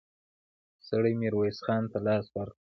سړي ميرويس خان ته لاس ورکړ.